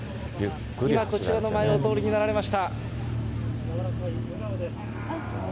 今、こちらの前をお通りになられました。